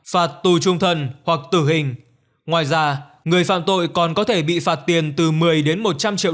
phạt tù trung thần hoặc tử hình ngoài ra người phạm tội còn có thể bị phạt tiền từ một mươi đến một trăm linh triệu